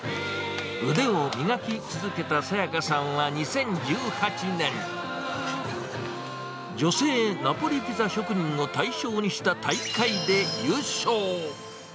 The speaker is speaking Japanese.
腕を磨き続けたさやかさんは２０１８年、女性ナポリピザ職人を対象にした大会で優勝。